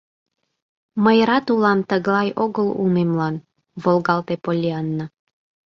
Мый рат улам тыглай огыл улмемлан, — волгалте Поллианна.